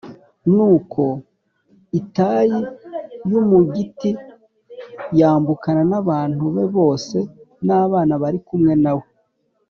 Nuko Itayi w’Umugiti yambukana n’abantu be bose n’abana bari kumwe na we.